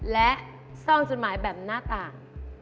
และซ่องจดหมายแบบหน้าต่าง